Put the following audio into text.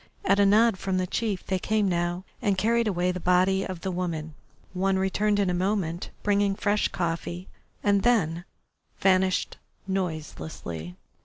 At a nod from the chief they came now and carried away the body of the woman. One returned in a moment, bringing fresh coffee, and then vanished noiselessly.